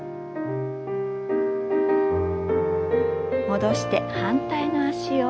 戻して反対の脚を。